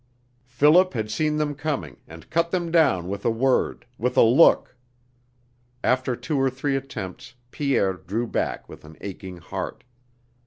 Philip had seen them coming and cut them down with a word, with a look. After two or three attempts Pierre drew back with an aching heart.